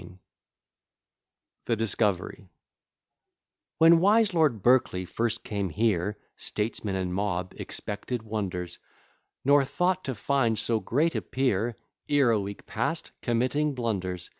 _] THE DISCOVERY When wise Lord Berkeley first came here, Statesmen and mob expected wonders, Nor thought to find so great a peer Ere a week past committing blunders.